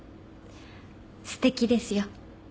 すてきですよ。